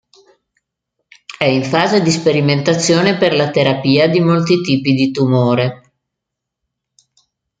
È in fase di sperimentazione per la terapia di molti tipi di tumore.